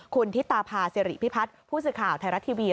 คุณธิตาพาสิริพิพัฒน์ผู้สื่อข่าวไทยรัฐทีวี